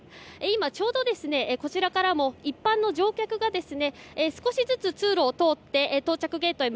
今、ちょうどこちらからも一般の乗客が少しずつ通路を通って到着ゲートへ